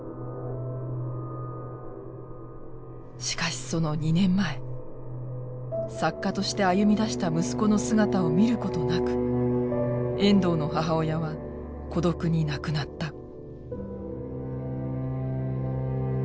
しかしその２年前作家として歩みだした息子の姿を見ることなく遠藤の母親は孤独に亡くなった。